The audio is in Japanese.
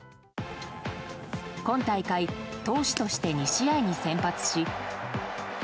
今大会、投手として２試合に先発し。